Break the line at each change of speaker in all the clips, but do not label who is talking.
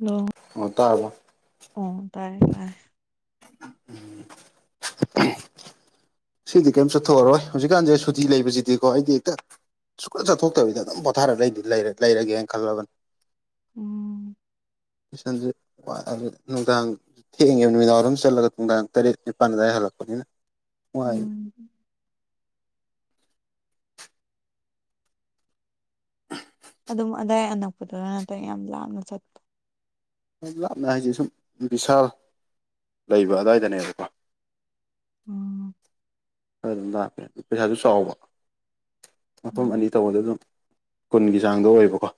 Hello
ꯑꯣ ꯇꯥꯕ꯭ꯔꯣ
ꯑꯣ ꯇꯥꯏꯔꯦ ꯇꯥꯏꯔꯦ
ꯉꯁꯤꯗꯤ ꯀꯩꯝ ꯆꯠꯊꯣꯛꯑꯔꯣꯏ ꯍꯧꯖꯤꯛꯀꯥꯟꯁꯦ ꯁꯨꯇꯤ ꯂꯩꯕꯁꯤꯗꯤꯀꯣ ꯑꯩꯗꯤ ꯍꯦꯛꯇ ꯁꯨꯛꯂꯠ ꯆꯠꯊꯣꯛꯇꯕꯤꯗ ꯑꯗꯨꯝ ꯄꯣꯊꯥꯔ ꯂꯩ ꯂꯩ ꯂꯩꯔꯒꯦꯅ ꯈꯜꯂꯕꯅꯤ
ꯎꯝ
ꯅꯨꯡꯗꯥꯡ ꯊꯦꯡꯉꯦ ꯅꯨꯃꯤꯗꯥꯡꯏꯔꯝ ꯆꯠꯂꯒ ꯅꯨꯡꯗꯥꯡ ꯇꯔꯦꯠ ꯅꯤꯄꯥꯟ ꯑꯗꯨꯋꯥꯏ ꯍꯜꯂꯛꯄꯅꯤꯅ ꯋꯥꯢ
ꯎꯝ ꯑꯗꯨꯝ ꯑꯗꯥꯏ ꯑꯅꯛꯄꯗꯔ ꯅꯠꯇ꯭ꯔꯒ ꯌꯥꯝ ꯂꯥꯞꯅ ꯆꯠ
ꯂꯥꯞꯅ ꯍꯥꯏꯁꯦ ꯁꯨꯝ ꯕꯤꯁꯥꯜ ꯂꯩꯕ ꯑꯗꯨꯋꯥꯏꯗꯅꯦꯕꯀꯣ
ꯎꯝ
ꯈꯔ ꯑꯗꯨꯝ ꯂꯥꯛꯕꯦ ꯄꯩꯁꯥꯁꯨ ꯆꯥꯎꯕ ꯃꯐꯝ
ꯎꯝ
ꯑꯅꯤ ꯇꯧꯕꯗ ꯑꯗꯨꯝ ꯀꯨꯟꯒꯤ ꯆꯥꯡꯗ ꯑꯣꯏꯌꯦꯕꯀꯣ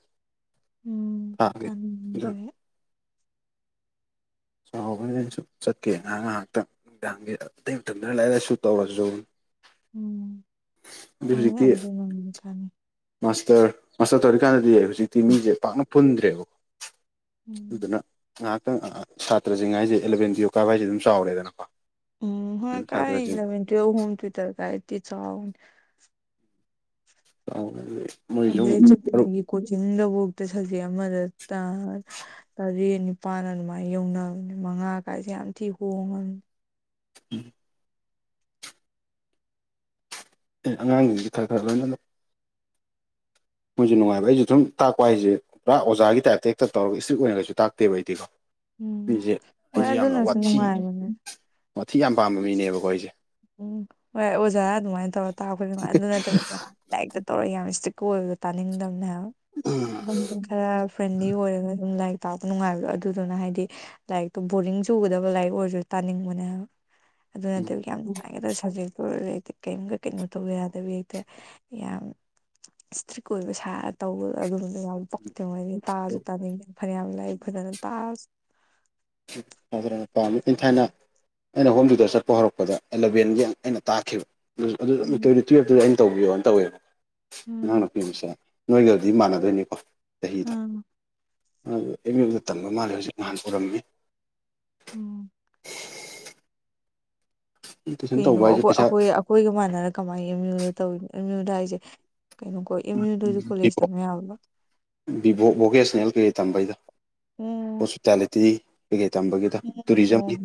ꯎꯝ
ꯊꯥꯒꯤ ꯑꯗꯨ
ꯀꯥꯟꯗꯦ
ꯆꯥꯎꯕꯅꯤꯅ ꯑꯩꯁꯨ ꯆꯠꯇꯦ ꯉꯥꯏꯍꯥꯛ ꯉꯥꯏꯍꯥꯛꯇ ꯅꯨꯡꯗꯥꯡꯒꯤ ꯑꯇꯩ ꯃꯇꯝꯗꯅ ꯂꯥꯏꯔꯤꯛ ꯂꯥꯏꯁꯨ ꯇꯧꯔꯁꯨ
ꯎꯝ
ꯑꯗꯨ
ꯍꯣꯏꯅꯦ
ꯍꯧꯖꯤꯛꯇꯤ
ꯑꯗꯨꯗꯤ ꯅꯪꯗꯤ ꯀꯥꯟꯅꯩ
ꯃꯥꯁꯇꯔ ꯃꯥꯁꯇꯔ ꯇꯧꯔꯤꯀꯥꯟꯗꯗꯤ ꯍꯧꯖꯤꯛꯇꯤ ꯃꯤꯁꯦ ꯄꯥꯛꯅ ꯄꯨꯟꯗ꯭ꯔꯦꯕꯀꯣ
ꯎꯝ
ꯑꯗꯨꯅ ꯉꯥꯏꯍꯥꯛꯇꯪ ꯁꯥꯇ꯭ꯔꯁꯤꯡ ꯍꯥꯏꯁꯦ ꯑꯦꯂꯚꯦꯟ ꯀꯥꯕ ꯍꯥꯏꯁꯦ ꯑꯗꯨꯝ ꯆꯥꯎꯔꯦꯗꯅꯀꯣ
ꯎꯝ ꯍꯣꯢ
ꯑꯗꯨꯝ
ꯀꯥꯏ
ꯁꯥꯇ꯭ꯔꯁꯤꯡ
ꯑꯦꯂꯚꯦꯟ ꯇꯨꯋꯤꯞ ꯍꯣꯝ ꯇꯨꯢꯇ꯭ꯔꯒꯗꯤ ꯆꯥꯎꯔꯦ
ꯑꯥꯎꯦ [inaudible]
ꯑꯗꯩ ꯆ [inaudible] ꯒꯤ ꯀꯣꯆꯤꯡ ꯂꯧꯕꯗ ꯁꯕꯖꯦꯛ ꯑꯃꯗ ꯇꯥ ꯇꯔꯦꯠ ꯅꯤꯄꯥꯜ ꯑꯗꯨꯃꯥꯏꯅ ꯌꯧꯅꯕꯅꯦ ꯃꯉꯥ ꯀꯥꯏꯁꯦ ꯌꯥꯝ ꯊꯤ ꯍꯣꯡꯉꯕꯅꯤ
ꯎꯝ [inaudible] ꯑꯦ ꯑꯉꯥꯡꯁꯤꯡ ꯈꯔ ꯈꯔ ꯂꯣꯏꯅ ꯃꯣꯏꯁꯨ ꯅꯨꯡꯉꯥꯏꯕ ꯑꯩꯁꯨ ꯑꯗꯨꯝ ꯇꯥꯛꯄ ꯍꯥꯏꯁꯦ ꯄꯨꯔꯥ ꯑꯣꯖꯥꯒꯤ ꯇꯥꯏꯞꯇ ꯍꯦꯛꯇꯞ ꯇꯧꯔꯒ ꯏꯁꯇ꯭ꯔꯤꯛ ꯑꯣꯏꯅꯔꯩꯁꯨ ꯇꯥꯛꯇꯦꯕ ꯑꯩꯗꯤꯀꯣ
ꯎꯝ
ꯃꯤꯖꯦ
ꯍꯣꯏ
ꯑꯩꯖꯦ ꯌꯥꯝꯅ
ꯑꯗꯨꯅꯁꯨ
ꯋꯥꯊꯤ
ꯅꯨꯡꯉꯥꯏꯕꯅꯦ
ꯋꯥꯊꯤ ꯌꯥꯝ ꯄꯥꯝꯕ ꯃꯤꯅꯦꯕꯀꯣ ꯑꯩꯖꯦ
ꯎꯝ ꯍꯣꯏ ꯑꯣꯖꯥ ꯑꯗꯨꯃꯥꯏꯅ ꯇꯧꯔ ꯇꯥꯛꯄꯅꯤꯃ ꯑꯗꯨ ꯅꯠꯇꯕ ꯂꯥꯏꯔꯤꯛꯇ ꯇꯧꯔ ꯌꯥꯝ ꯏꯁꯇ꯭ꯔꯤꯛ ꯀꯣꯏꯒ ꯇꯥꯅꯤꯡꯗꯝꯅꯦ ꯍꯥꯏꯕ
ꯎꯝ
ꯑꯗꯨꯝ ꯈꯔ ꯐ꯭ꯔꯦꯟꯂꯤ ꯑꯣꯏꯔꯒ ꯑꯗꯨꯝ ꯂꯥꯏꯔꯤꯛ ꯇꯥꯛꯄ ꯅꯨꯡꯉꯥꯏꯕꯗꯣ ꯑꯗꯨꯗꯨꯅ ꯍꯥꯏꯗꯤ ꯂꯥꯏꯔꯤꯛꯇꯣ ꯕꯣꯔꯤꯡ ꯆꯨꯒꯗꯕ ꯂꯥꯏꯔꯤꯛ ꯑꯣꯏꯔꯁꯨ ꯇꯥꯅꯤꯡꯕꯅꯦꯕ ꯑꯗꯨ ꯅꯠꯇꯕ ꯌꯥꯝ ꯅꯨꯡꯉꯥꯏ ꯍꯥꯏ ꯁꯞꯖꯦꯛꯇꯨ ꯑꯣꯏꯔꯦꯗꯤ ꯀꯔꯤꯝ ꯀꯩꯅꯣ ꯇꯧꯕ ꯌꯥꯗꯕꯤ ꯍꯦꯛꯇ ꯌꯥꯝ ꯏꯁꯇ꯭ꯔꯤꯛ ꯑꯣꯏꯕ ꯁꯥꯔ ꯇꯧꯕꯗꯣ ꯑꯗꯨꯝꯕꯗ ꯌꯥꯝ ꯄ ꯇꯉꯩꯅꯤ ꯇꯥꯁꯨ ꯇꯥꯅꯤꯡꯗꯦꯅ ꯐꯅꯌꯥꯝ ꯂꯩ ꯐꯅꯅ ꯇ
ꯐꯖꯅ ꯄꯥꯝꯃꯤꯠ ꯏꯟ ꯊꯥꯏꯅ [inaudible] ꯑꯩꯅ ꯍꯣꯝ ꯇ꯭ꯌꯨꯇꯔ ꯆꯠꯄ ꯍꯧꯔꯛꯄꯗ ꯑꯦꯂꯕꯦꯟꯒꯤ ꯑꯩꯅ ꯇꯥꯛꯈꯤꯕ ꯑꯗꯨꯁꯨ ꯑꯗꯨꯝ
ꯎꯝ
ꯇꯨꯌꯦꯜꯞꯇꯁꯨ ꯑꯩꯅ ꯇꯧꯕꯤꯌꯣꯅ ꯇꯧꯋꯦꯕ ꯑꯉꯥꯡ
ꯎꯝ
ꯅꯨꯄꯤ ꯃꯆꯥ ꯑꯃ ꯅꯣꯏꯒꯗꯤ ꯃꯥꯟꯅꯗꯣꯏꯅꯤꯀꯣ ꯆꯍꯤꯗꯣ
ꯎꯝ
ꯑꯗꯨ ꯑꯦꯝ ꯌꯨꯗ ꯇꯝꯕ ꯃꯥꯜꯂꯦ ꯍꯧꯖꯤꯛ ꯅꯍꯥꯟ ꯎꯔꯝꯃꯤ
ꯎꯝ
ꯇꯨꯏꯁꯟ
ꯀꯩꯅꯣ
ꯇꯧꯕ ꯍꯥꯏꯁꯦ ꯄꯩꯁꯥ
ꯑꯩꯈꯣꯏ ꯑꯩꯈꯣꯏꯒ ꯃꯥꯟꯅꯔꯅ ꯀꯃꯥꯏꯅ ꯑꯦꯝꯌꯨꯗ ꯇꯧꯔꯤꯕ ꯑꯦꯝꯌꯨ ꯍꯥꯏꯁꯦ ꯀꯩꯅꯣ ꯑꯦꯝ ꯌꯨꯗꯁꯨ ꯀꯣꯂꯦꯖ ꯇꯥꯝ ꯌꯥꯕ
ꯚꯤꯚꯣꯛ ꯚꯣꯀꯦꯁꯟꯅꯜ ꯀꯩꯀꯩ ꯇꯝꯕꯩꯗ
ꯑꯣ
ꯍꯣꯢꯄꯤꯇꯥꯂꯤꯇꯤ ꯀꯩꯀꯩ ꯇꯝꯕꯒꯤꯗ ꯇꯨꯔꯤꯖꯝꯒꯤ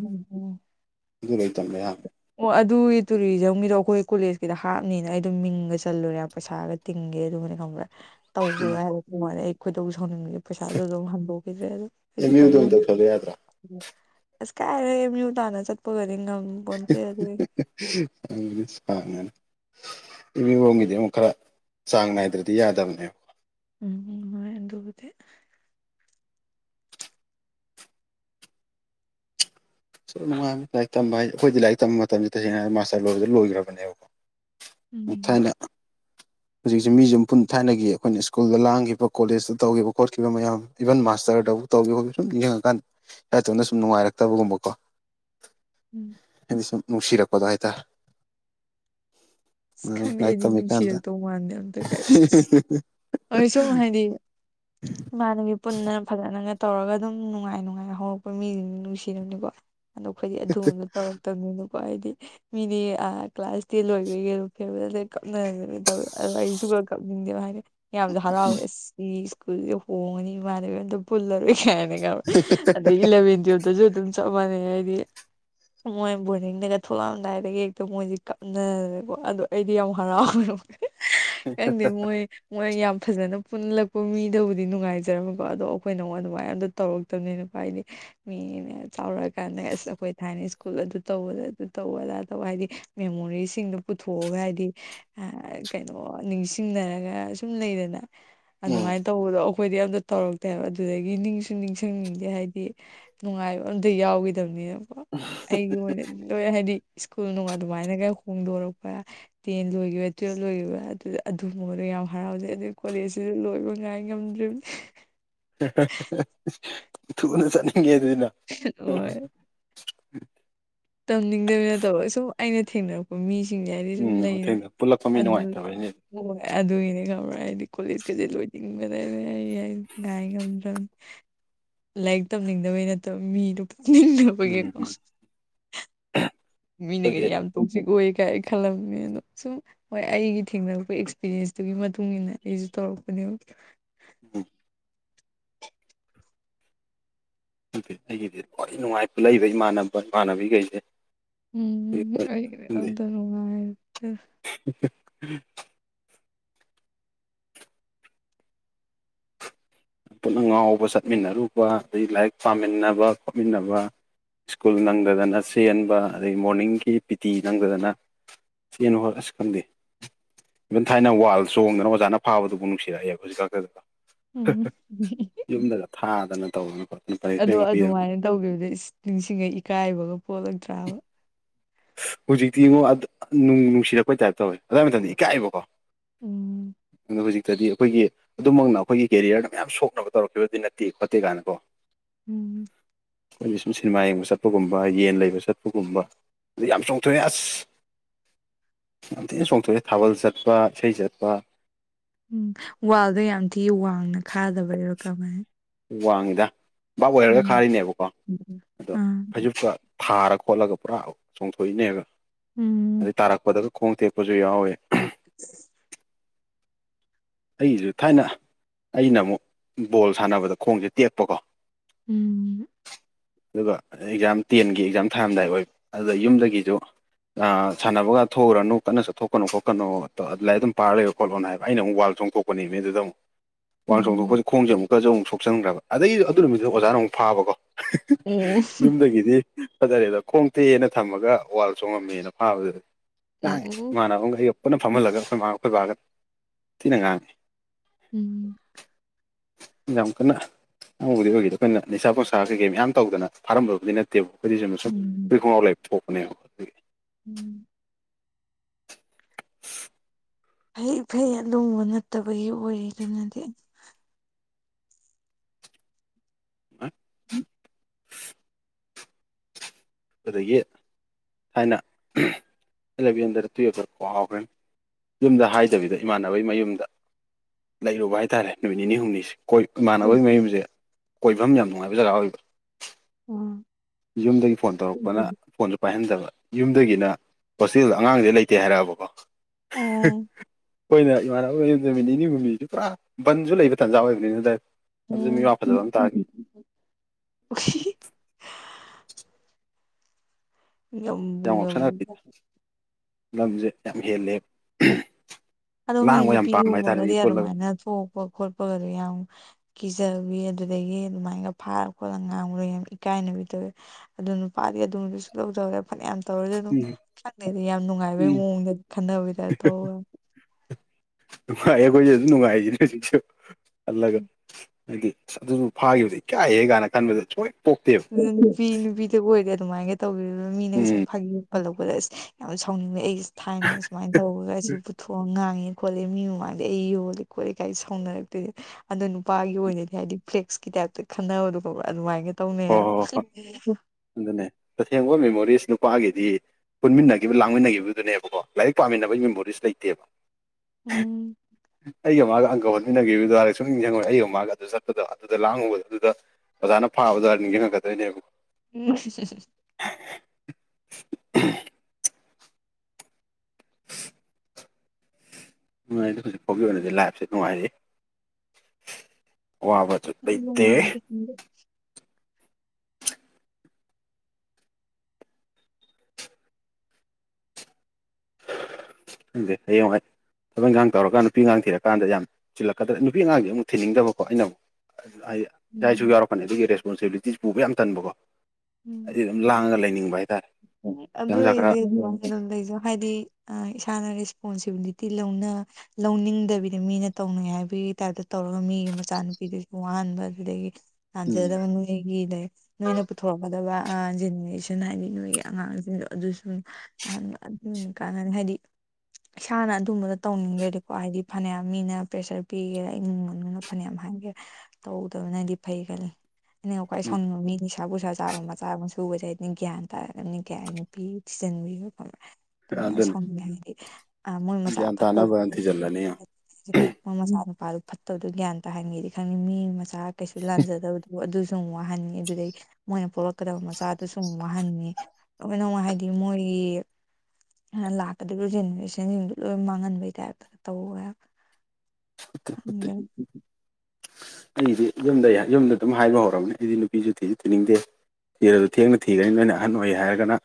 ꯑꯗꯨ ꯀꯩ ꯇꯝꯕ ꯌꯥꯕ
ꯑꯣ ꯑꯗꯨꯒꯤ ꯇꯨꯔꯤꯖꯝꯒꯤꯗꯣ ꯑꯩꯈꯣꯏ ꯀꯣꯂꯦꯖꯀꯤꯗ ꯍꯥꯞꯅꯤꯅ ꯑꯩꯗꯣꯅ ꯃꯤꯡꯒ ꯆꯜꯂꯨꯔꯦ ꯄꯩꯁꯥꯒ ꯇꯤꯡꯒꯦ ꯑꯗꯨꯉꯅꯦ ꯈꯪꯕꯔ ꯇꯧꯈ꯭ꯔꯣꯏ ꯍꯥꯏꯕ ꯀꯃꯥꯏꯅ ꯑꯩ ꯈꯣꯏꯗꯧ ꯁꯥꯎꯅꯤꯡꯉꯦ ꯄꯩꯁꯥꯁꯨ ꯑꯗꯨꯝ ꯍꯟꯗꯣꯛꯈꯤꯗ꯭ꯔꯦꯗ ꯑꯩꯁꯨ ꯀꯩꯝ ꯉꯥꯡ
ꯂꯩ ꯌꯥꯗ꯭ꯔꯥ
ꯑꯁ ꯀꯥꯏ ꯔꯦ ꯑꯦꯝ ꯎ ꯇꯟꯅꯥ ꯆꯠꯄꯒꯗꯤ ꯉꯝ
ꯅꯪ ꯑꯦꯝ ꯎ ꯔꯣꯝꯒꯤꯗꯤ ꯑꯃꯨꯛ ꯈꯔ ꯆꯥꯡ ꯅꯥꯏꯗ꯭ꯔꯗꯤ ꯌꯥꯗꯕꯅꯦꯕ
ꯎꯝ ꯍꯣꯏ ꯗꯨꯕꯨꯗꯤ
ꯁꯨꯝ ꯅꯨꯡꯉꯥꯏ ꯂꯥꯏꯔꯤꯛ ꯇꯝꯕ ꯍꯥꯏ ꯑꯩꯈꯣꯏꯗꯤ ꯂꯥꯏꯔꯤꯛ ꯇꯝꯕ ꯃꯇꯝꯁꯦꯁꯦꯡꯅ ꯃꯥꯁꯇꯔ ꯂꯣꯏꯔ ꯂꯣꯏꯈ꯭ꯔꯕꯅꯦꯕ ꯃ
ꯎꯝ
ꯊꯥꯏꯅ ꯍꯧꯖꯤꯛꯁꯦ ꯃꯤꯖꯦ ꯑꯃ ꯄꯨꯟ ꯊꯥꯏꯅꯒꯤ ꯑꯩꯈꯣꯏꯅ ꯁ꯭ꯀꯨꯜꯗ ꯂꯥꯡꯒꯤꯕ ꯀꯣꯂꯦꯖꯇ ꯇꯧꯈꯤꯕ ꯈꯣꯠꯈꯤꯕ ꯃꯌꯥꯝ ꯏꯚꯟ ꯃꯥꯁꯇꯔꯗꯕ ꯇꯧꯒꯤꯕ ꯁꯨꯝ ꯅꯤꯡꯖꯤꯡꯉ ꯀꯥꯟ ꯏꯇꯣꯟꯗ ꯁꯨꯝ ꯅꯨꯡꯉꯥꯏꯔꯛꯇꯕꯒꯨꯝꯕ ꯀꯣ [inaudible]
ꯎꯝ
ꯍꯥꯏꯗꯤ ꯁꯨꯝ ꯅꯨꯡꯁꯤꯔꯛꯄꯗꯣ ꯍꯥꯏꯇꯥꯔꯦ
ꯑꯁ
ꯎꯝ
ꯈꯪꯉꯗꯦ
ꯂꯥꯏꯔꯤꯛ
ꯑꯩꯗꯤ
ꯇꯝꯃꯤꯀꯥꯟꯗ
ꯅꯨꯡꯁꯤꯔꯛꯇꯧ ꯃꯥꯟꯗꯦ ꯌꯥꯝ ꯑꯣꯏ ꯁꯨꯝ ꯍꯥꯏꯗꯤ
ꯍ
ꯏꯃꯥꯟꯅꯕꯤ ꯄꯨꯟꯅ ꯐꯖꯅꯒ ꯇꯧꯔꯒ ꯑꯗꯨꯝ ꯅꯨꯡꯉꯥꯏ ꯅꯨꯡꯉꯥꯏ ꯍꯧꯔꯛꯄ ꯃꯤꯁꯤꯡ ꯅꯨꯡꯁꯤꯔꯝꯅꯤꯀꯣ ꯑꯗꯣ ꯑꯩꯈꯣꯏꯗꯤ ꯑꯗꯨꯨꯝꯕꯗꯣ ꯇꯧꯔꯛꯇꯝꯅꯤꯅꯀꯣ ꯍꯥꯏꯗꯤ ꯃꯤꯗꯤ ꯑ ꯀ꯭ꯂꯥꯁ ꯇꯦꯟ ꯂꯣꯏꯕꯒꯤ ꯐꯤꯌ꯭ꯔꯋꯦꯜꯗ ꯀꯞꯅꯗꯅꯒ ꯇꯧꯋꯤ ꯑꯗꯣ ꯑꯩ ꯁꯨꯀꯞ ꯀꯞꯅꯤꯡꯗꯦ ꯍꯥꯏꯗꯤ ꯌꯥꯝꯖꯨ ꯍꯔꯥꯎꯋꯦ ꯑꯁ ꯃꯤ ꯁ꯭ꯀꯨꯜꯁꯦ ꯍꯣꯡꯉꯅꯤ ꯏꯃꯥꯟꯅꯕ ꯑꯝꯇ ꯄꯨꯜꯂꯔꯣꯏ ꯀꯥꯏꯅ ꯀ ꯑꯗꯩ ꯏꯂꯚꯦꯟ ꯇꯨ ꯑꯗꯨꯁꯨ ꯑꯗꯨꯝ ꯆꯞ ꯃꯥꯟꯅꯩ ꯍꯥꯏꯗꯤ ꯃꯣꯏ ꯕꯣꯔꯗꯤꯡꯗꯒ ꯊꯣꯛꯂꯛꯑꯝꯗꯥꯏꯒꯤ ꯍꯦꯛꯇꯥ ꯃꯣꯏꯖꯦ ꯀꯞꯅꯗꯅꯀꯣ ꯑꯗꯣ ꯑꯩꯗꯤ ꯌꯥꯝ ꯍꯔꯥꯎꯋꯦ ꯈꯪꯗꯦ ꯃꯣꯏ ꯃꯣꯏ ꯌꯥꯝ ꯐꯖꯅ ꯄꯨꯜꯂꯛꯄ ꯃꯤꯗꯕꯨꯗꯤ ꯅꯨꯡꯉꯥꯏꯖꯔꯝꯃꯣꯏꯀꯣ ꯑꯗꯣ ꯑꯩꯈꯣꯏꯅ ꯑꯃꯉꯣꯟ ꯑꯗꯨ ꯇꯧꯔꯛꯇꯕꯅꯦꯅꯄꯥꯥꯏꯗꯤ ꯃꯤꯅꯦ ꯆꯥꯎꯔꯛꯑꯀꯥꯟꯗ ꯑꯁ ꯑꯩꯈꯣꯏ ꯊꯥꯏꯅ ꯁ꯭ꯀꯨꯜ ꯑꯗꯨ ꯇꯧꯕꯗ ꯑꯗꯨ ꯇꯧꯕꯗ ꯇꯧꯕ ꯍꯥꯏꯗꯤ ꯃꯦꯃꯣꯔꯤꯁꯤꯡꯗꯣ ꯄꯨꯊꯣꯛꯑꯒ ꯍꯥꯏꯗꯤ ꯀꯩꯅꯣ ꯅꯤꯡꯁꯤꯡꯅꯔꯒ ꯁꯨꯝ ꯂꯩꯔꯗ
ꯎꯝ
ꯑꯗꯨꯃꯥꯏꯅ ꯇꯧꯕꯗꯣ ꯑꯩꯈꯣꯏꯗꯤ ꯑꯝꯇ ꯇꯧꯔꯛꯇꯦꯕ ꯑꯗꯨꯗꯒꯤ ꯅꯤꯡꯁꯨ ꯅꯤꯡꯁꯤꯡꯅꯤꯡꯗꯦ ꯍꯥꯏꯗꯤ ꯅꯨꯡꯉꯥꯏꯕ ꯑꯝꯇ ꯌꯥꯎꯒꯤꯗꯕꯅꯤꯅꯀꫭ ꯑꯩꯒꯤ ꯑꯣꯏꯅ ꯂꯣꯏꯔꯦ ꯍꯥꯏꯗꯤ ꯏꯁ꯭ꯀꯨꯜ ꯅꯨꯡ ꯑꯗꯨꯃꯥꯏꯅꯒ ꯍꯣꯡꯗꯣꯔꯛꯄ ꯇꯦꯟ ꯂꯣꯏꯒꯤꯕ ꯇꯨꯋꯦꯞ ꯂꯣꯏꯒꯤꯕ ꯑꯗꯨ ꯑꯗꯨꯒꯨꯝꯕ ꯂꫭꯏ ꯌꯥꯎꯋ ꯍꯔꯥꯎꯖꯩ ꯑꯗꯨ ꯀꯣꯂꯦꯖꯁꯤꯁꯨ ꯂꯣꯏꯕ ꯉꯥꯏ ꯉꯝꯗ꯭ꯔꯤꯕꯅꯤ
ꯊꯨꯅ ꯆꯠꯅꯤꯡꯒꯦ ꯑꯗꯨꯗꯤꯅꯪ
ꯍꫭꯏ ꯇꯝꯅꯤꯡꯗꯕꯩ ꯅꯠꯇꯕ ꯁꯨꯝ ꯑꯩꯅ ꯊꯦꯡꯅꯔ ꯃꯤꯁꯤꯡꯖꯦ ꯍꯥꯏꯗꯤ ꯑꯗꯨꯝ
ꯎꯝ
ꯂꯩ
ꯃꯊꯪꯗ ꯄꯨꯜꯂꯛꯄ ꯃꯤ
ꯑꯗꯨ
ꯅꯨꯡꯉꯥꯏꯇꯕꯩꯅꯦ
ꯍꯣꯏ ꯑꯗꯨꯒꯤꯅꯦ ꯈꯪꯕ꯭ꯔꯥ ꯑꯩꯗꯤ ꯀꯣꯂꯦꯖꯀꯁꯦ ꯂꯣꯏꯅꯤꯡꯕ ꯂꯩ ꯑꯩ ꯉꯥꯏ ꯉꯝꯗ꯭ꯔꯝ ꯂꯥꯏꯔꯤꯛ ꯇꯝꯅꯤꯡꯗꯕꯩ ꯅꯠꯇꯕ ꯃꯤꯗꯣ
ꯎꯝ
ꯄꯨꯟꯅꯤꯡꯗꯕꯒꯤꯀꯣ
ꯎꯝ
ꯃꯤꯅ ꯀꯩꯗꯤ
ꯑꯩꯈꯣꯏꯗꯤ
ꯌꯥꯝ ꯇꯣꯛꯁꯤꯀ ꯑꯣꯏ ꯀꯥꯏ ꯈꯜꯂꯝꯃꯦ ꯗꯣ ꯁꯨꯝ ꯍꯣꯏ ꯑꯩꯒꯤ ꯊꯦꯡꯅꯔꯛꯄ ꯑꯦꯛꯁꯄꯤꯔꯤꯟꯁꯇꯨꯒꯤ ꯃꯇꯨꯡ ꯏꯟꯅ ꯑꯩꯖꯨ ꯇꯧꯔꯛꯄꯅꯦꯕ
ꯎꯝ ꯑꯗꯨꯗꯤ ꯑꯩꯒꯤꯗꯤ ꯈ꯭ꯋꯥꯏ ꯅꯨꯡꯉꯥꯏ ꯄꯨꯜꯂꯛꯏꯕ ꯏꯃꯥꯟꯅꯕ ꯏꯃꯥꯟꯅꯕꯤꯈꯩꯁꯦ
ꯎꯝ
ꯑꯩꯈꯣꯏ
ꯑꯩ ꯑꯇ ꯅꯨꯉꯥꯏꯇ
ꯎꯝ ꯄꯨꯟꯅ ꯉꯥꯎꯕ ꯆꯠꯃꯤꯟꯅꯔꯨꯕ ꯑꯗꯩ ꯂꯥꯏꯔꯤꯛ ꯄꯥꯃꯤꯟꯅꯕ ꯈꯣꯠꯃꯤꯟꯅꯕ ꯏꯁ꯭ꯀꯨꯜ ꯅꯪꯗꯗꯅ ꯆꯦꯟꯕ ꯑꯗꯩ ꯃꯣꯔꯅꯤꯡꯒꯤ ꯄꯤ ꯇꯤ ꯅꯪꯗꯗꯅ ꯆꯟꯅ ꯍꯣꯛ ꯑꯁꯈꯪꯗꯦ ꯑꯗꯨꯝ ꯊꯥꯏꯅ ꯋꯥꯜ ꯆꯣꯡꯗꯅ ꯑꯣꯖꯥꯅꯥ ꯐꯥꯕꯗꯨꯕꯨꯛ ꯅꯨꯡꯁꯤꯔꯛꯑꯦꯕ ꯍꯧꯖꯤꯛ ꯈꯛꯇꯗ
ꯎꯝ
ꯌꯨꯝꯗꯒ ꯊꯥꯗꯅ ꯇꯧꯒꯤꯕ
ꯑꯗꯣ ꯑꯗꯨꯃꯥꯏꯅ ꯇꯧꯈꯤꯕꯖꯦ ꯅꯤꯡꯁꯤꯡꯉꯩ ꯏꯀꯥꯏꯕꯒ ꯄꯣꯛꯂꯛꯇ꯭ꯔꯥꯕ
ꯍꯧꯖꯤꯛꯇꯤꯕꫭ ꯅꯨꯡꯕꯨ ꯅꯨꯡꯁꯤꯔꯛꯄꯩ ꯇꯥꯏꯞ ꯇꯧꯋꯦ ꯑꯗꯥꯏ ꯃꯇꯝꯗꯤ ꯏꯀꯥꯏꯌꯦꯕꯀꯣ
ꯎꯝ
ꯍꯧꯖꯤꯛꯇꯗꯤ ꯑꯩꯈꯣꯏꯒꯤ ꯑꯗꯨꯃꯛꯅ ꯑꯩꯈꯣꯏꯒꯤ ꯀꯦꯔꯤꯌꯔꯗ ꯃꯌꯥꯝ ꯁꯣꯛꯅꯕ ꯇꯧꯔꯛꯈꯤꯕꯗꯤ ꯅꯠꯇꯦ ꯈꯣꯠꯇꯦ ꯀꯥꯏꯅꯀꯣ
ꯎꯝ
ꯑꯩꯈꯣꯏꯗꯤ ꯁꯨꯝ ꯁꯤꯅꯤꯃꯥ ꯌꯦꯡꯕ ꯆꯠꯄꯒꯨꯝꯕ ꯌꯦꯟ ꯂꯩꯕ ꯆꯠꯄꯒꯨꯝꯕ ꯑꯗꯩ ꯌꯥꯝ ꯆꯣꯡꯊꯣꯛꯑꯦ ꯑꯁ ꯌꯥꯝ ꯊꯤꯅ ꯆꯣꯡꯊꯣꯛꯑꯦ ꯊꯥꯕꯜ ꯆꯠꯄ ꯏꯁꯩ ꯆꯠꯄ
ꯎꯝ ꯋꯥꯜꯗꯣ ꯌꯥꯝ ꯊꯤ ꯋꯥꯡꯅ ꯈꯥꯗꯕꯩꯔꯣ ꯀꯃꯥꯏꯅ
ꯋꯥꯡꯉꯤꯗ ꯕꯥꯞ ꯑꯣꯏꯔꯒ
ꯎꯝ
ꯈꯥꯔꯤꯅꯦꯕꯀꯣ ꯑꯗꯣ
ꯑꯥ
ꯐꯩꯖꯨꯞꯀ ꯊꯥꯔ ꯈꯣꯠꯂꯒ ꯄꯨꯔꯥ ꯆꯣꯡꯊꯣꯛꯏꯅꯦꯕ
ꯎꯝ
ꯑꯗꯩ ꯇꯥꯔꯛꯄꯗꯒ ꯈꯣꯡ ꯊꯦꯛꯄꯁꯨ ꯌꯥꯎꯋꯤ
[inaudible]
ꯑꯩꯖꯨ ꯊꯥꯏꯅ ꯑꯩꯅ ꯑꯃꯨꯛ ꯕꯣꯜ ꯁꯥꯟꯅꯕꯗ ꯈꯣꯡꯖꯦ ꯇꯦꯛꯄꯀꯣ
ꯎꯝ
ꯑꯗꯨꯒ ꯑꯦꯛꯖꯥꯝ ꯇꯦꯟꯒꯤ ꯑꯦꯛꯖꯥꯝ ꯊꯔꯝꯗꯥꯏ ꯑꯣꯏꯕ ꯑꯗꯨꯗ ꯌꯨꯝꯗꯒꯤꯖꯨ ꯑ ꯁꯥꯟꯅꯕꯒ ꯊꯣꯛꯎꯔꯅꯨ ꯀꯟꯅ ꯆꯠ ꯊꯣꯛ ꯀꯅꯨ ꯈꯣꯠꯀꯅꯣ ꯑꯗꯨ ꯂꯥꯏꯔꯤꯛ ꯑꯗꯨꯝ ꯄꯥꯔꯂꯩꯌꯨ ꯈꯣꯠꯂꯨꯅ ꯍꯥꯏꯕ ꯑꯩꯅ ꯑꯃꯨꯛ ꯋꯥꯜ ꯆꯣꯡꯊꯣꯛꯄꯅꯦꯃꯦ ꯑꯗꯨꯗ ꯑꯃꯨꯛ ꯋꯥꯜ
ꯎꯝ
ꯆꯣꯡꯊꯣꯛꯄꯖꯤ ꯈꯣꯡꯖꯦ ꯑꯃꯨꯛ ꯄꯖꯨ ꯑꯃꯨꯛ ꯁꯣꯛꯆꯟꯒꯔꯕ ꯑꯗꯩ ꯑꯗꯨ ꯅꯨꯃꯤꯠꯇꯨ ꯑꯣꯖꯥꯅ ꯑꯃꯨꯛ ꯐꯥꯕꯀꯣ
ꯑꯣ
ꯌꯨꯝꯗꯒꯤꯗꯤ ꯐꯖꯔꯦꯗꫭ ꯈꯣꯡꯇꯦꯛꯑꯦꯅ ꯊꯝꯃꯒ ꯋꯥꯜ ꯆꯣꯡꯉꯝꯃꯦꯅ ꯐꯥꯕꯗꯨꯗꯤ
ꯎꯝ
ꯏꯃꯥꯟꯅꯕ ꯑꯃꯒ ꯄꯨꯟꯅ ꯐꯝꯍꯜꯂꯒ ꯑꯩꯈꯣꯏ ꯃꯥꯒ ꯑꯩꯈꯣꯏ ꯕꯥꯒ ꯊꯤꯅꯉꯥꯡꯉꯦ
ꯎꯝ
ꯌꯥꯝ ꯀꯟꯅ ꯑꯉꯧꯕꯗꯤ ꯑꯣꯏꯒꯤꯗꯤ ꯑꯩꯈꯣꯏꯅ ꯅꯤꯁꯥ ꯄꯨꯁꯥ ꯀꯩꯀꯩ ꯃꯌꯥꯝ ꯇꯧꯗꯅ ꯐꯥꯔꯝꯕꯕꯨꯗꯤ ꯅꯠꯇꯦꯕ ꯑꯈꫭꯏꯗꯤ ꯆꯨꯝꯅ ꯁꯨꯝ
ꯎꯝ
ꯐꯨꯔꯤꯠ ꯈꫭꯡꯒꯥꯎ ꯂꯩꯕ ꯊꫭꯛꯄꯅꯦꯕ
ꯎꯝ ꯐꯩ-ꯐꯩ ꯑꯗꯨꯨꯝꯕ ꯅꯠꯇꯕꯒꯤ ꯑꯣꯏꯔꯤ ꯗꯨꯅꯗꯤ꯫
[unintelligible]
[unintelligible]
ꯑꯗꯒꯤ ꯊꯥꯏꯅ ꯑꯦꯂꯚꯦꯟꯗꯔ ꯇꯨꯌꯦꯜꯐꯇꯔ ꯀꯥꯎꯈ꯭ꯔꯦꯅꯦ꯫ ꯌꯨꯝꯗ ꯍꯥꯏꯗꯕꯤꯗ ꯏꯃꯥꯟꯅꯕꯩ ꯃꯌꯨꯝꯗ ꯂꯩꯔꯨꯕ ꯍꯥꯏꯇꯥꯔꯦ ꯅꯨꯃꯤꯠ ꯅꯤꯅꯤ ꯍꯨꯝꯅꯤꯁꯤ꯫ ꯀꫭꯏ ꯏꯃꯥꯟꯅꯕꯒꯤ ꯃꯌꯨꯝꯁꯦ ꯀꯣꯏꯐꯝ ꯌꯥꯝ ꯅꯨꯡꯉꯥꯏꯕ ꯖꯒꯥ ꯑꯣꯏꯕ꯫
ꯑꯣ꯫
ꯌꯨꯝꯗꯒꯤ ꯐꯣꯟ ꯇꯧꯔꯛꯄꯅ ꯐꯣꯟꯖꯨ ꯄꯥꯏꯍꯟꯗꯕ ꯌꯨꯝꯗꯒꯤꯅ ꯍꯣꯁꯇꯦꯜꯗ ꯑꯉꯥꯡꯖꯦ ꯂꯩꯇꯦ ꯍꯥꯏꯔꯛꯑꯕꯀꯣ ꯍ [unintelligible] ꯑꯩꯈꯣꯏꯅ ꯏꯃꯥꯟꯅꯕꯩ ꯃꯌꯨꯝꯗ ꯅꯨꯃꯤꯠ ꯅꯤꯅꯤ ꯍꯨꯝꯅꯤꯖꯤ ꯄꯨꯔꯥ ꯕꯟꯖꯨ ꯂꯩꯕ ꯇꯟꯖꯥ ꯑꯣꯏꯕꯅꯤꯅꯦ ꯑꯗꯨꯗꯥ
ꯑꫭ [unintelligible]
ꯌꯥꯝ
ꯉꯝꯃꯤ
ꯉꯎꯁꯟꯅꯔꯛꯏꯗ ꯂꯝꯖꯦ ꯌꯥꯝ ꯍꯦꯜꯂꯦ
ꯑꯗꯣ ꯃꯤ
ꯂꯥꯡꯕ ꯌꯥꯝ ꯄꯥꯝꯕ ꯍꯥꯏꯇꯥꯔꯦ ꯃꯤ
ꯅꯨꯄꯤꯒꯨꯝꯕꯒꯗꯤ
ꯄꯨꯜꯂꯒ
ꯑꯗꯨꯃꯥꯏꯅ ꯊꯣꯛꯄ ꯈꯣꯠꯄꯒꯗꯨ ꯌꯥꯝ ꯀꯤꯖꯕꯤ ꯑꯗꯨꯗꯒꯤ ꯑꯗꯨꯃꯥꯏꯒ ꯐꯥꯔ ꯈꯣꯠꯂꯒ ꯉꯥꯡꯕꯗꯣ ꯌꯥꯝ ꯏꯀꯥꯏꯅꯕꯤ ꯇꯧꯋꯤ ꯑꯗꯨ ꯅꯨꯄꯥꯗꯤ ꯑꯗꯨꯝꯁ ꯂꯧ ꯇꯧꯔꯦ ꯐꯅꯌꯥꯝ ꯇꯧꯔꯣꯏꯗꯅ
ꯎꯝ
ꯈꯪꯗꯩꯗꯤ ꯌꯥꯝ ꯅꯨꯡꯉꯥꯏꯕꯩ
ꯎꯝ
ꯃꯑꯣꯡꯗ ꯈꯟꯅꯕꯩ ꯇꯥꯏꯞ ꯇꯧꯏ
ꯅꯨꯡꯉꯥꯏ ꯑꯩꯈꯣꯏꯁꯨ ꯑꯗꯨꯝ ꯅꯨꯡꯉꯥꯏꯔꯤ ꯍꯧꯖꯤꯛꯁꯨ ꯈꯜꯂꯒ꯫
ꯎꯝ
ꯍꯥꯏꯗꯤ ꯑꯁ ꯑꯗꯨꯗꯨ ꯐꯥꯈꯤꯕꯗꯩ ꯏꯀꯥꯏꯍꯦ ꯀꯥꯏꯅ ꯈꯟꯕꯗꫭ ꯁꯣꯏ ꯄꯣꯛꯇꯦꯕ꯫
ꯑꯗꯨꯝ ꯅꯨꯄꯤ ꯅꯨꯄꯤꯗꯕꯨ ꯑꯣꯏꯔꯗꯤ ꯑꯗꯨꯃꯥꯏꯅꯒ ꯇꯧꯕꯤ ꯃꯤꯅꯒ ꯁꯨꯝ
ꯎꯝ
ꯐꯥꯒꯤ ꯄꯜꯂꯨꯕꯗ ꯑꯁ ꯌꯥꯝ ꯁꯥꯎꯅꯤꯡꯑꯦ ꯑꯩꯒꯤꯁ ꯊꯥꯏꯅ ꯁꯨꯃꯥꯏꯅ ꯇꯧꯔꯒ ꯑꯩ ꯄꯨꯊꯣꯛꯑꯒ ꯉꯥꯡꯑꯦ ꯈꯣꯠꯂꯦ ꯃꯤ ꯃꯃꯥꯡꯗꯦ ꯑꯩ ꯌꯣꯜꯂꯦ ꯈꯣꯠꯂꯦ ꯀꯥꯏ ꯁꯥꯎꯅꯔꯛꯇꯣꯏꯁꯦ꯫ ꯑꯗꯣ ꯅꯨꯄꯥꯒꯤ ꯑꯣꯏꯅꯗꯤ ꯍꯥꯏꯗꯤ ꯐ꯭ꯂꯦꯛꯁꯀꯤ ꯇꯥꯏꯞꯇ ꯈꯟꯅꯕꯗꯣ ꯈ꯭ꯪꯕ꯭ꯔꯥ ꯑꯗꯨꯃꯥꯏꯅ ꯇꯧꯅꯩ
ꯍꯣꯏ
ꯍꯥꯏꯕ
ꯍꯣꯏ ꯍꯣꯏ ꯍꯣꯏ ꯑꯗꯨꯅꯦ ꯇꯊꯦꯡꯕꯜ ꯃꯦꯃꯣꯔꯤꯁ ꯅꯨꯄꯥꯒꯤꯗꯤ ꯄꯨꯟꯃꯤꯟꯅꯈꯤꯕ ꯂꯥꯡꯃꯤꯟꯅꯈꯤꯕꯗꯨꯅꯦꯕꯀꯣ ꯂꯥꯏꯔꯤꯛ ꯄꯥꯃꯤꯟꯅꯕꯒꯤ ꯃꯦꯃꯣꯔꯤꯁ ꯂꯩꯇꯦꯕ꯫
ꯎꯝ
[unintelligible] ꯑꯩꯒ ꯃꯥꯒ ꯑꯪꯀ ꯍꯣꯠꯃꯤꯟꯅꯈꯤꯕꯗꯣ ꯍꯥꯏꯔ ꯁꯨꯛ ꯅꯤꯡꯁꯪꯑꫭꯏ ꯑꯩꯒ ꯃꯥꯒ ꯑꯗꯨ ꯆꯠꯄꯗꯣ ꯑꯗꯨꯗ ꯂꯥꯡꯉꯨꯕꯗꯨꯗ ꯑꯗꯨꯗ ꯑꯣꯖꯥꯅ ꯐꯥꯕꯗꫭ ꯍꯥꯏꯔ ꯅꯤꯡꯖꯪꯉꯛꯀꯗꯣꯏꯅꯦꯕꯀꫭ꯫
[unintelligible]
ꯅꯨꯡꯉꯥꯏ ꯍꯧꯖꯤꯛꯐꯥꯎꯒꯤ ꯑꯣꯏꯅꯗꯤ ꯂꯥꯏꯐꯁꯦ ꯅꯨꯡꯉꯥꯏꯔꯤ ꯑꯋꯥꯕ
[inaudible]
ꯈꯪꯗꯦ ꯍꯌꯦꯡꯋꯥꯏ ꯊꯕꯛ ꯏꯪꯈꯥꯡ ꯇꯧꯔꯀꯥꯟ ꯅꯨꯄꯤ ꯑꯥꯉꯥꯡ ꯊꯤꯔꯀꯥꯟꯗ ꯌꯥꯝ ꯆꯤꯜꯂꯛꯀꯗ꯭ꯔ ꯅꯨꯄꯤ ꯑꯉꯥꯡꯁꯦ ꯑꯃꯨꯛ ꯊꯤꯅꯤꯡꯗꯕꯣ ꯑꯩꯅ ꯑꯃꯨꯛ꯫ ꯑꯩ ꯏꯁ ꯏꯔꯥꯏꯁꯨ
ꯎꯝ
ꯌꯥꯎꯔꯛꯀꯅꯤ ꯑꯗꯨꯒꯤ ꯔꯦꯁꯄꯣꯟꯁꯤꯕꯤꯂꯤꯇꯤꯁꯦ ꯄꯨꯕ ꯌꯥꯝ ꯇꯟꯕꯀꯣ꯫ ꯑꯩꯗꯤ ꯑꯗꯨꯝ ꯂꯥꯡꯑꯒ ꯂꯩꯅꯤꯡꯕ ꯍꯥꯏꯇꯥꯔꯦ꯫ ꯃꯆꯥ ꯈꯔ
ꯑꯗꯨꯏꯗꯤ [inaudible] ꯂꯩꯖ ꯍꯥꯏꯗꯤ ꯏꯁꯥꯅ ꯔꯦꯁꯄꯣꯟꯁꯤꯕꯤꯂꯤꯇꯤ ꯂꯧꯅ ꯂꯧꯅꯤꯡꯗꯕꯤꯗ ꯃꯤꯅ ꯇꯧꯅꯩ ꯍꯥꯏꯕꯒꯤ ꯇꯥꯏꯞꯇ ꯇꯧꯔꯒ ꯃꯤꯒꯤ ꯃꯆꯥꯅꯨꯄꯤꯗꯨꯁꯨ ꯋꯥꯍꯟꯕ ꯑꯗꯨꯗꯒꯤ
ꯎꯝ
ꯂꯥꯟꯝꯖꯗꯕ ꯅꯣꯏꯒꯤꯗ ꯅꯣꯏꯅ ꯄꯨꯊꯣꯔꯛꯀꯗꯕ ꯖꯦꯅꯦꯔꯦꯁꯟ ꯍꯥꯏꯅꯤ ꯅꯣꯏꯒꯤ ꯑꯉꯥꯡꯁꯤꯡꯗꯣ ꯑꯗꯨꯁꯨ ꯑꯗꯨꯝ [inaudible] ꯍꯥꯏꯗꯤ ꯏꯁꯥꯅ ꯑꯗꯨꯝꯕꯗꯣ ꯇꯧꯅꯤꯡꯗ꯭ꯔꯗꯤꯀꯣ ꯍꯥꯏꯗꯤ ꯐꯅꯌꯥꯝ ꯃꯤꯅ ꯄ꯭ꯔꯦꯁꯔ ꯄꯤꯒꯦꯔꯥ ꯏꯃꯨꯡ ꯃꯨꯡꯅ ꯐꯅꯌꯥꯝ ꯍꯥꯏꯒꯦ ꯇꯧꯗꯕꯅꯗꯤ ꯐꯩ ꯈꯜꯂꯤ꯫ ꯑꯩꯅ ꯈ꯭ꯋꯥꯏ
ꯎꯝ
ꯁꯧꯅꯤꯡꯕ ꯃꯤ ꯅꯤꯁꯥ ꯕꯨꯁꯥ ꯆꯥꯕ ꯃꯆꯥ ꯃꯁꯨꯒꯁꯦ ꯍꯥꯏꯅ ꯒ꯭ꯌꯥꯟ ꯇꯥꯏ꯫ [inaudible] ꯑꯗꯨꯝ ꯌꯥꯝ
ꯑꯗꯨꯅꯤ
ꯁꯥꯎꯅꯤꯡꯉꯦ ꯍꯥꯏꯗꯤ ꯑ ꯃꯣꯏ ꯃꯆꯥ
ꯒ꯭ꯌꯥꯟ ꯇꯥꯅꯕꯅ
ꯐꯠꯇꯕꯗꯣ
ꯊꯤꯖꯤꯜꯂꯅꯤ
ꯃꯣꯏ ꯃꯆꯥ ꯅꯨꯄꯥꯗꯨ ꯐꯠꯇꯕꯗꯣ ꯒ꯭ꯌꯥꯟ ꯇꯥꯍꯟꯗꯤ ꯈꯪꯉꯤ ꯃꯤ ꯃꯆꯥ ꯀꯩꯁꯨ ꯂꯥꯟꯖꯗꯕꯗꯨꯕꯄ ꯑꯗꯨꯖꯄ ꯑꯃꯨꯛ ꯋꯥꯍꯟꯅꯤ ꯑꯗꯨꯗꯩ ꯃꯣꯏꯅ ꯄꯣꯛꯂꯛꯀꯗꯕ ꯃꯆꯥꯗꯨꯁꯨ ꯑꯃꯨꯛ ꯋꯥꯍꯟꯅꯤ [unintelligible] ꯍꯥꯏꯗꯤ ꯃꯣꯏꯒꯤ ꯂꯥꯛꯀꯗꯧꯕ ꯖꯦꯅꯦꯔꯦꯁꯟꯁꯤꯡꯗꯨ ꯂꯣꯏ ꯃꯥꯡꯍꯟꯕꯩ ꯇꯥꯏꯞꯇ ꯇꯧꯋꯦ ꯈꯪꯗꯦ
ꯑꯩꯗꯤ ꯌꯨꯝꯗ ꯌꯨꯝꯗ ꯑꯗꯨꯝ ꯍꯥꯏꯕ ꯍꯧꯔꯕꯅꯤ ꯑꯩꯗꯤ ꯅꯨꯄꯤꯁꯨ ꯊꯤꯁꯨ ꯊꯤꯅꯤꯡꯗꯦ [unintelligible] ꯊꯦꯡꯅ ꯊꯤꯒꯅꯤ ꯅꯣꯏꯅ ꯑꯍꯟ ꯑꯣꯏ ꯍꯥꯏꯔꯒꯅ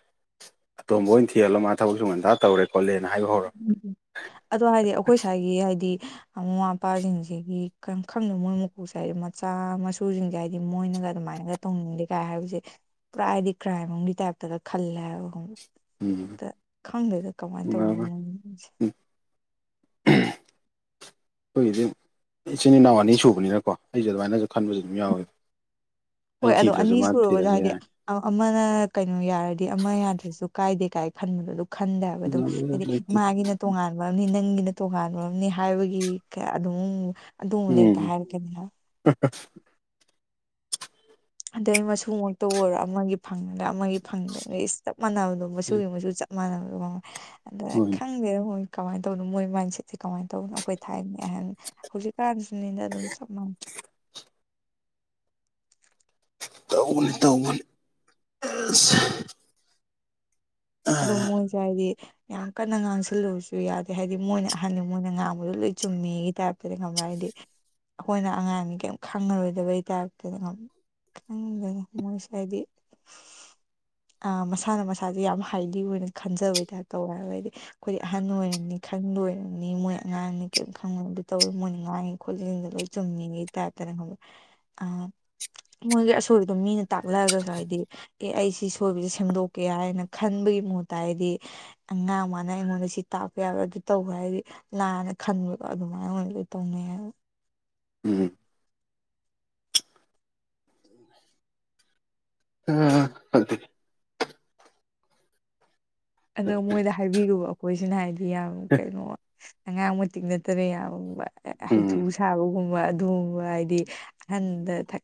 ꯑꯇꯣꯝꯕ ꯑꯣꯏꯅ ꯊꯤꯍꯜꯂꯣ ꯃꯥ ꯊꯕꯛꯁꯨ ꯉꯟꯇꯥ ꯇꯧꯔꯦ ꯈꯣꯠꯂꯦꯅ ꯍꯥꯏ ꯍꯧ
ꯎꯝ ꯑꯗꯣ ꯍꯥꯏꯗꯤ ꯑꯩꯈꯣꯏ ꯁ꯭ꯥꯏꯒꯤ ꯍꯥꯏꯗꯤ ꯃꯃꯥ ꯃꯄꯥꯖꯤꯡꯖꯤꯒꯤ ꯈꯪ ꯈꯪ ꯃꯣꯏ ꯃꯀꯣꯛꯁꯦ ꯍꯥꯏꯗꯤ ꯃꯆꯥ ꯃꯁꯨꯁꯤꯡꯁꯦ ꯍꯥꯏꯗꯤ ꯃꯣꯏꯅꯒ ꯑꯗꯨꯃꯥꯏꯅꯒ ꯇꯧꯅꯤꯡꯗꯦ ꯀꯥꯏ ꯍꯥꯏꯕꯁꯦ ꯄꯨꯔꯥ ꯍꯥꯏꯗꯤ ꯀ꯭ꯔꯥꯏꯝ ꯑꯃꯒꯤ ꯇꯥꯏꯞꯇꯒ ꯈꯜꯂꯦ ꯍꯥꯏꯕ
ꯎꯝ
ꯇ ꯈꯪꯗꯦꯗ ꯀꯃꯥꯏꯅ ꯇ
[inaudible] ꯈꯣꯏꯒꯤꯗꯤ ꯏꯆꯤꯟ ꯏꯅꯥꯎ ꯑꯅꯤ ꯁꯨꯕꯅꯤꯅꯀꯣ ꯑꯩꯁꯦ ꯑꯗꯨꯃꯥꯏꯅꯁꯨ ꯈꯟꯕꯁꯨ ꯑꯗꯨꯝ ꯌꯥꯎꯋꯦ꯫
ꯍꯣꯏ
ꯑꯩꯅ
ꯑꯗꯣ
ꯊꯤꯗ꯭ꯔꯁꯨ
ꯑꯅꯤ
ꯃꯥ
ꯁꯨꯔꯒꯁꯨ
ꯊꯤꯔꯁꯨ
ꯍꯥꯏꯗꯤ
ꯌꯥꯏ
ꯑ ꯑꯃꯅ ꯀꯩꯅꯣ ꯌꯥꯔꯗꯤ ꯑꯃ ꯌꯥꯗ꯭ꯔꯁꯨ ꯀꯥꯏꯗꯦ ꯀꯥꯏ ꯈꯟꯕꯗꫭ ꯑꯗꯨ ꯈꯟꯗꯦ ꯍꯥꯏꯕ ꯑꯗꯨꯝ ꯍꯥꯏꯗꯤ
ꯂꯩꯇꯦ
ꯃꯥꯒꯤꯅ ꯇꯣꯉꯥꯟꯕ ꯑꯃꯅꯤ ꯅꯪꯒꯤꯅ ꯇꯣꯉꯥꯟꯕꯝꯅꯤ ꯍꯥꯏꯕꯒꯤ ꯀꯩ ꯑꯗꯨꯝ ꯑꯗꯨꯝꯕꯗ ꯍꯦꯛꯇ
ꯎꯝ
ꯍꯥꯏꯔꯛꯀꯅꯤ ꯍꯥ
[unintelligible]
ꯑꯗꯩ ꯃꯆꯨꯃꯛꯇ ꯑꯣꯏꯔꯣ ꯑꯃꯒꯤ ꯐꯪꯉꯗ ꯑꯃꯒꯤ ꯐꯪꯗꯅ ꯏꯁ ꯆꯞ ꯃꯥꯟꯅꯕꯗꯣ ꯃꯆꯨꯒꯤ ꯃꯆꯨ ꯆꯞ [unintelligible] ꯑꯗꯥ
ꯍꯣꯏ
ꯈꯪꯗꯦꯗ ꯃꯣꯏ ꯀꯃꯥꯏꯅ ꯇꯧꯅꯣ ꯃꯣꯏ ꯃꯥꯏꯟꯁꯦꯠꯁꯦ ꯀꯃꯥꯏꯅ ꯇꯧꯕꯅꯣ ꯑꯩꯈꯣꯏ ꯊꯥꯏꯅ [unintelligible] ꯍꯧꯖꯤꯛꯀꯥꯟꯁꯨꯅꯤꯗ ꯑꯗꯨꯝ ꯆꯞ ꯃꯥꯟꯅꯩ
ꯇꯧꯕꯅꯦ ꯇꯧꯕꯅꯦ ꯑꯁ
ꯑꯗꯣ ꯃꯣꯏꯖꯦ ꯍꯥꯏꯔꯗꯤ ꯌꯥꯝ ꯀꯟꯅ ꯉꯥꯡꯁꯤꯜꯂꯨꯨꯔꯁꯨ ꯌꯥꯗꯦ ꯍꯥꯏꯗꯤ ꯃꯣꯏꯅ ꯑꯍꯟ ꯃꯣꯏꯅ ꯉꯥꯡꯕꯗ ꯂꯣꯏ ꯆꯨꯝꯃꯦꯒꯤ ꯇꯥꯏꯞꯇ ꯈꯪꯕꯔ ꯍꯥꯏꯗꯤ ꯑꯩꯈꯣꯏꯅ ꯑꯉꯥꯡꯅꯤ ꯀꯩꯝ ꯈꯪꯉꯔꯣꯏꯗꯧꯕꯩ ꯇꯥꯔꯞꯇ ꯑꯩꯉꯣꯟꯗ ꯈꯪꯗꯦ ꯃꯣꯏꯁꯥꯏꯗꯤ ꯍꯥꯏꯗꯤ ꯑꯥ ꯃꯁꯥꯅ ꯃꯁꯥꯥꯗ ꯌꯥꯝ ꯍꯜꯗꯤ ꯑꯣꯏꯅ ꯈꯟꯖꯕꯩꯇꯔꯄ ꯇꯧꯋꯦ ꯍꯥꯏꯕ ꯑꯩꯗꯤ ꯑꯩꯈꯣꯏꯗꯤ ꯑꯍꯟ ꯑꯣꯏꯔꯅꯤ ꯈꯪ ꯂꯣꯏꯔꯕꯅꯤ ꯃꯣꯏ ꯑꯉꯥꯡꯅ ꯀꯔꯤꯝ ꯈꯪꯉꯣꯏ ꯇꯧꯋꯤ ꯃꯣꯏꯅ ꯉꯥꯡꯉꯤ ꯈꯣꯠꯂꯤꯖꯤꯡꯗꯣ ꯂꯣꯏ ꯆꯨꯝꯉꯦ [unintelligible] ꯈꯪꯕꯔ ꯑꯥ ꯑꯩꯉꯣꯟꯗꯗꯤ ꯑꯁꯣꯏꯕꯗꯣ ꯃꯤꯅ ꯇꯥꯛꯑꯒꯁꯨ ꯑꯩꯗꯤ ꯑꯦ ꯑꯩ ꯁꯤ ꯁꯣꯏꯕꯁꯦ ꯁꯦꯝꯗꯣꯛꯀꯦ ꯍꯥꯏꯅ ꯈꯟꯕꯒꯤ ꯃꯨꯠꯇ ꯍꯥꯏꯗꯤ ꯑꯉꯥꯡ ꯃꯥꯅ ꯑꯩꯉꯣꯟꯗ ꯁꯤ ꯇꯥꯛꯄ ꯌꯥꯕ꯭ꯔꯥ ꯑꯗꯨ ꯇꯧꯕ ꯍꯥꯏꯗꯤ ꯂꯥꯟꯅ ꯈꯟꯕꯗꯣ ꯑꯗꯨꯃꯥꯏꯅ ꯑꯣꯏꯅ ꯇꯧꯅꯩ ꯍꯥꯏꯕ
ꯎꯝ ꯎꯝ ꯐꯥꯠꯇꯦ
ꯑꯗꯣ ꯃꯣꯏꯗ ꯍꯥꯏꯕꯤꯔꯨꯕ ꯑꯩꯈꯣꯏꯁꯤꯅ ꯍꯥꯏꯗꯤ ꯌꯥꯝ ꯀꯩꯅꯣ ꯑꯉꯥꯡ ꯃꯇꯤꯛ ꯅꯠꯇꯅ ꯌꯥꯝꯕ
ꯎꯝ
ꯍꯩꯊꯄ ꯁꯥꯕꯒꯨꯝꯕ ꯑꯗꯨꯒꯨꯝꯕ ꯍꯥꯏꯗꯤ ꯑꯍꯟꯗ ꯊꯛ